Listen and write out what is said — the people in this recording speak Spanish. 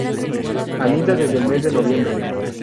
Anida desde el mes de noviembre.